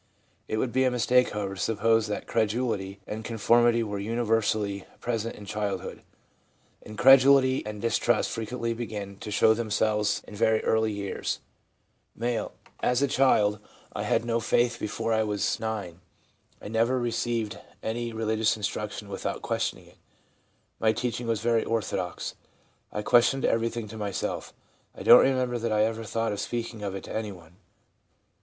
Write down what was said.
It would be a mistake, however, to suppose that credulity and conformity were universally present in childhood ; incredulity and distrust frequently begin to show themselves in very early years. M. ' As a child I i 9 o THE PSYCHOLOGY OF RELIGION had no faith before I was 9 ; I never received any religious instruction without questioning it. My teach ing was very orthodox; I questioned everything to myself; I don't remember that I ever thought of speak ing of it to anyone/ F.